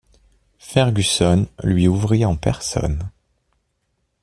Fergusson lui ouvrit en personne.